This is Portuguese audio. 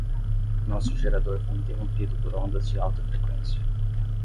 Nosso gerador foi interrompido por ondas de alta frequência.